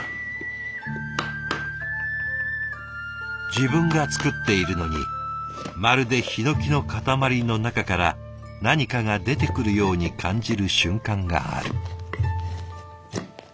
自分が作っているのにまるでヒノキの塊の中から何かが出てくるように感じる瞬間がある。